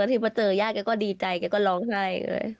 แล้วทีมาเจอแย่แกก็ดีใจแกก็ร้องไข้